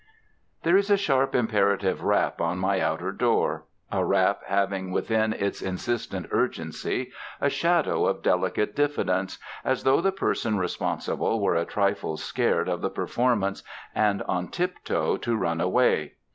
There is a sharp, imperative rap on my outer door; a rap having within its insistent urgency a shadow of delicate diffidence, as though the person responsible were a trifle scared of the performance and on tiptoe to run away.